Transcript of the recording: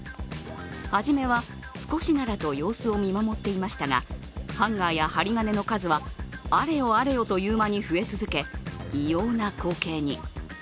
初めは少しならと様子を見守っていましたがハンガーや針金の数は、あれよあれよという間に増え続け、異様な光景に。